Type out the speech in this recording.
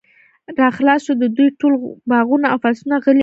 را خلاص شو، د دوی ټول باغونه او فصلونه، غلې او دانې